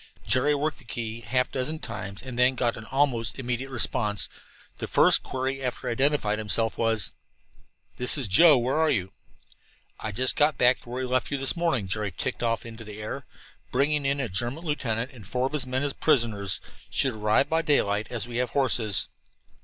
Jerry worked the key half a dozen times and then got an almost immediate response. The first query after he had identified himself was: "This is Joe; where are you?" "Just got back to where we left you this morning," Jerry ticked off into the air. "Bringing in a German lieutenant and four of his men as prisoners. Should arrive by daylight, as we have horses."